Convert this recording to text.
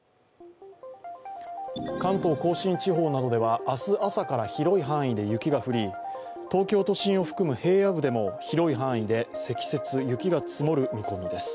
関東甲信地方などでは明日朝から広い範囲で雪が降り、東京都心を含む平野部でも広い範囲で積雪、雪が積もる見込みです。